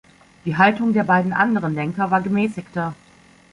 Die Haltung der beiden anderen Denker war gemäßigter.